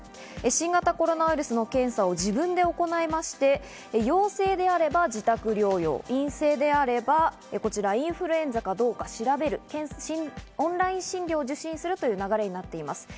新型コロナウイルスの検査を自分で行いまして、陽性であれば自宅療養、陰性であればインフルエンザかどうか調べる検査、オンライン診療を受診する流れになっています。